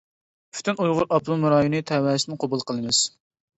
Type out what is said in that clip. پۈتۈن ئۇيغۇر ئاپتونوم رايونى تەۋەسىدىن قوبۇل قىلىمىز.